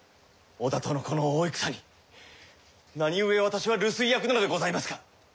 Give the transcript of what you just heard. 織田とのこの大戦に何故私は留守居役なのでございますか。